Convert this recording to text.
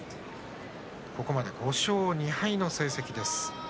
ここまで５勝２敗の成績です。